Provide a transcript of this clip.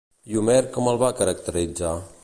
I Homer com el va caracteritzar?